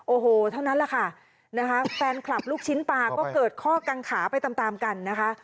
โอ้โหเท่านั้นแหละค่ะนะคะแฟนคลับลูกชิ้นปลาก็เกิดข้อกังขาไปตามตามกันนะคะ